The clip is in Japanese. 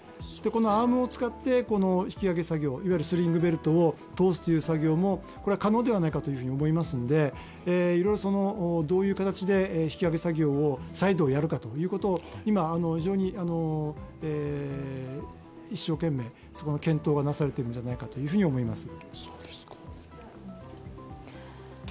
アームを使って引き揚げ作業、スリングベルトを通すという作業も可能ではないかと思いますのでどういう形で引き揚げ作業を再度やるかというのを、今、一生懸命、そこの検討がなされているんじゃないかと思います。